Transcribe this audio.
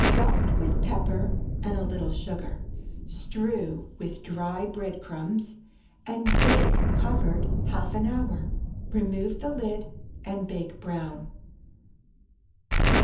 Dust with pepper and a little sugar. Strew with dry bread crumbs, and bake covered half an hour; remove the lid and bake brown.